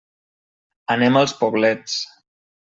Anem als Poblets.